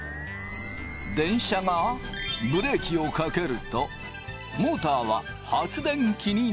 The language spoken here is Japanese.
電車がブレーキをかけるとモーターは発電機になる。